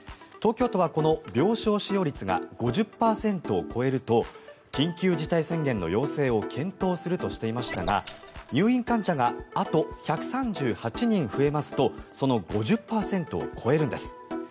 東京都は、この病床使用率が５０％を超えると緊急事態宣言の要請を検討するとしていましたが入院患者があと１３８人増えますとその５０％を超えるんです。